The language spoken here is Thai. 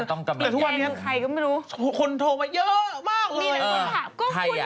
อุ้ยยากละเนี่ยอ้าวข่าวนี้แจงอีก